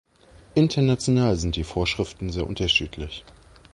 International sind die Vorschriften sehr unterschiedlich.